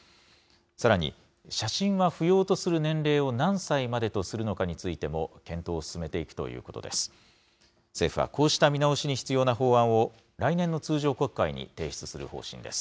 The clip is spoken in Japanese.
さらに、写真は不要とする年齢を何歳までとするのかについても、検討を進めていくということです。